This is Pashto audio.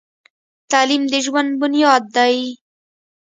تعلیم د ژوند بنیاد دی.